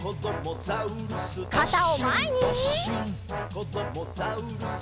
「こどもザウルス